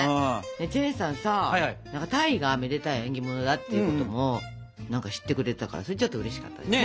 チェンさんさ鯛がめでたい縁起物だっていうことも知ってくれてたからそれちょっとうれしかったね。